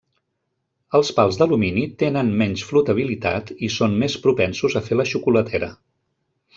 Els pals d'alumini tenen menys flotabilitat i són més propensos a fer la xocolatera.